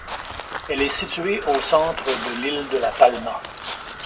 Elle est située au centre de l'île de La Palma.